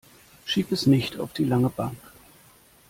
Schieb es nicht auf die lange Bank.